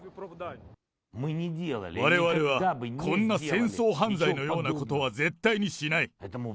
われわれはこんな戦争犯罪のようなことは絶対にしない。